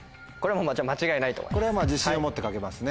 これは自信を持って書けますね。